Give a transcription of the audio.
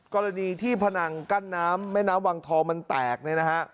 กรณีที่พนังกั้นน้ำแม่น้ำวังทองมันแตกเนี่ยนะฮะ